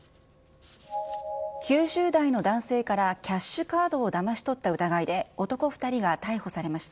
９０代の男性からキャッシュカードをだまし取った疑いで男２人が逮捕されました。